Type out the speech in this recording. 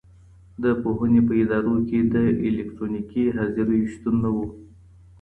د پوهنې په ادارو کي د الکترونیکي حاضریو شتون نه و.